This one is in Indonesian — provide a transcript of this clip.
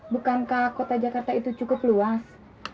bukankah kota jakarta itu cukup luas